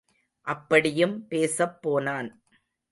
அப்படியும் பேசப் போனான்.